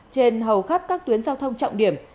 trên hầu khắp các tuyến giao thông trọng điểm